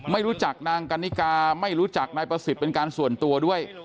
ไม่รู้จักนางกันนิกาไม่รู้จักนายประสิทธิ์เป็นการส่วนตัวด้วย